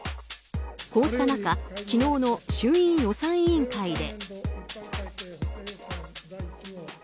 こうした中、昨日の衆院予算委員会で。